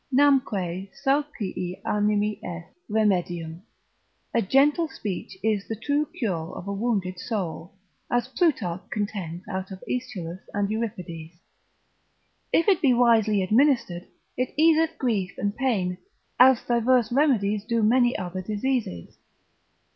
18. Oratio, namque saucii animi est remedium, a gentle speech is the true cure of a wounded soul, as Plutarch contends out of Aeschylus and Euripides: if it be wisely administered it easeth grief and pain, as diverse remedies do many other diseases.